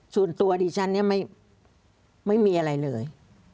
ส่วนตัวดิฉันเนี่ยไม่มีอะไรเลย